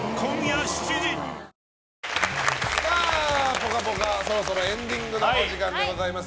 「ぽかぽか」そろそろエンディングのお時間でございます。